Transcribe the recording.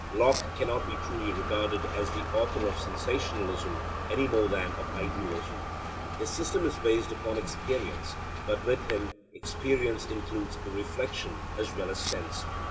Locke cannot be truly regarded as the author of sensationalism any more than of idealism. His system is based upon experience, but with him experience includes reflection as well as sense.